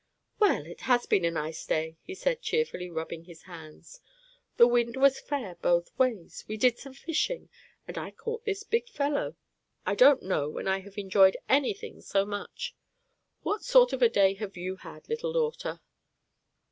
"Well, it has been a nice day," he said, cheerfully, rubbing his hands. "The wind was fair both ways. We did some fishing, and I caught this big fellow. I don't know when I have enjoyed any thing so much. What sort of a day have you had, little daughter?"